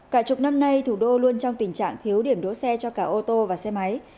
cả chục năm nay thủ đô luôn trong tình trạng thiếu điểm đỗ xe cho cả ô tô và xe máy